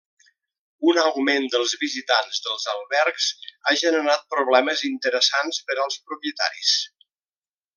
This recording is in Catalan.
Un augment dels visitants dels albergs ha generat problemes interessants per als propietaris.